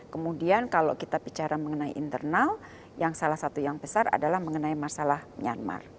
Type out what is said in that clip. kemudian kalau kita bicara mengenai internal yang salah satu yang besar adalah mengenai masalah myanmar